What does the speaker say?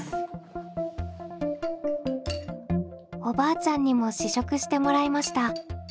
おばあちゃんにも試食してもらいました。